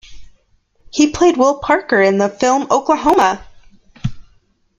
He played Will Parker in the film Oklahoma!